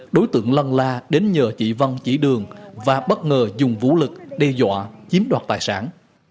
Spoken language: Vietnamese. đối tượng lăng la đến nhờ chị văn chỉ đường và bất ngờ dùng vũ lực đe dọa chiếm đoạt tài sản